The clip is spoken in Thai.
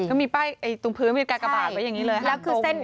ก็มีป้ายตรงพื้นมีกากบาทไว้อย่างนี้เลย